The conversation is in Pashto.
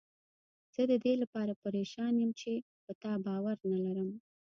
زه ددې لپاره پریشان یم چې په تا باور نه لرم.